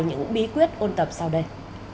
những bí quyết ôn tập sau đây